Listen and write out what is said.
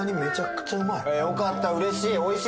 よかった、うれしい。